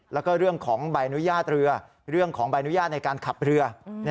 แล้วก็เรื่องของใบอนุญาตเรือเรื่องของใบอนุญาตในการขับเรือ